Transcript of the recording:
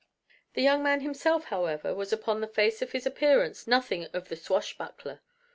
The young man himself, however, was upon the face of his appearance nothing of the swashbuckler.